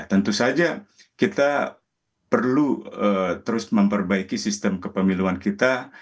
tentu saja kita perlu terus memperbaiki sistem kepemiluan kita